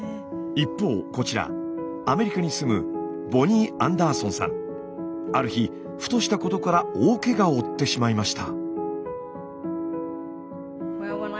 一方こちらアメリカに住むある日ふとしたことから大けがを負ってしまいました。